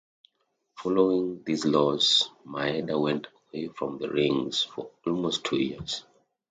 Following this loss Maeda went away from the rings for almost two years.